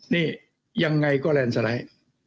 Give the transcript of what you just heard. นี่ยังไงก็แลนด์สไลด์